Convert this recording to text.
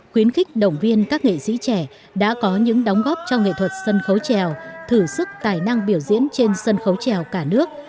khuyến khích động viên các nghệ sĩ trẻ đã có những đóng góp cho nghệ thuật sân khấu trèo thử sức tài năng biểu diễn trên sân khấu trèo cả nước